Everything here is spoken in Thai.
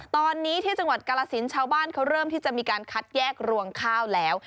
ตอนนี้ที่จังหวัดกาลสินชาวบ้านเขาเริ่มที่จะมีการคัดแยกรวงข้าวแล้ว